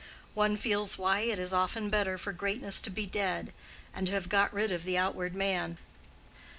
One feels why it is often better for greatness to be dead, and to have got rid of the outward man.